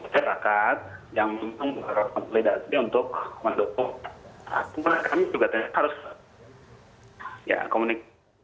perintah rakyat yang membutuhkan perintah rakyat untuk mendukung